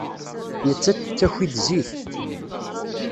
Nettat tettaki-d zik.